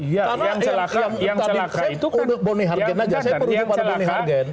ya karena yang tadi saya perhubungan dengan bonnie hargen